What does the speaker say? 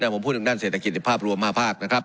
แต่ผมพูดถึงด้านเศรษฐกิจในภาพรวม๕ภาคนะครับ